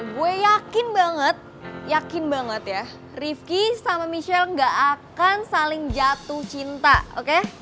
gue yakin banget yakin banget ya rifki sama michelle gak akan saling jatuh cinta oke